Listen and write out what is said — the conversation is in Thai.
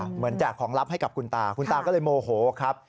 แจกของลับให้กับคุณตาคุณตาก็เลยโมโหครับ